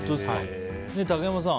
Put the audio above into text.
竹山さん